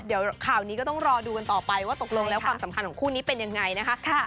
เดี๋ยวข่าวนี้ก็ต้องรอดูกันต่อไปว่าตกลงแล้วความสัมพันธ์ของคู่นี้เป็นยังไงนะคะ